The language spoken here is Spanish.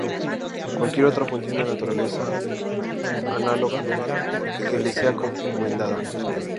Cualquier otra función de naturaleza análoga que le sea encomendada.